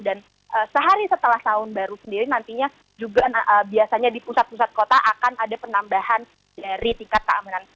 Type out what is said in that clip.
dan sehari setelah tahun baru sendiri nantinya juga biasanya di pusat pusat kota akan ada penambahan dari tingkat keamanan